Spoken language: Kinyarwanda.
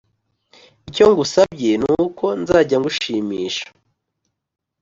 icyo ngusabye n'uko nzajya ngushimisha.